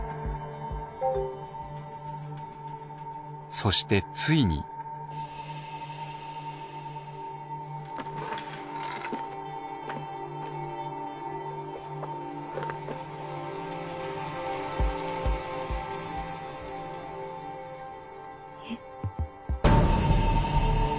そしてついにえっ！！